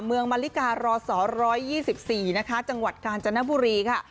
เมืองมาริการรศ๑๒๔นะคะจังหวัดกาญจนบุรีค่ะ